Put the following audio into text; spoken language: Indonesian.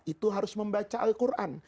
itu harus membaca al quran